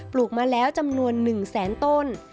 ลูกมาแล้วจำนวน๑แสนต้น